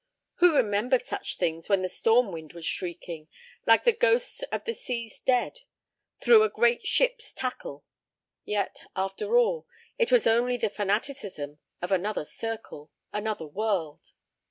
Who remembered such things when the storm wind was shrieking, like the ghosts of the sea's dead, through a great ship's tackle? Yet, after all, it was only the fanaticism of another circle, another world.